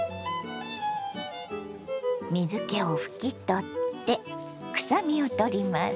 水けを拭き取って臭みをとります。